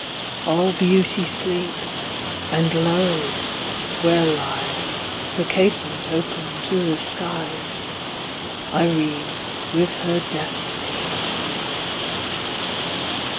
All Beauty sleeps! and lo! where lies (Her casement open to the skies) Irene, with her Destinies!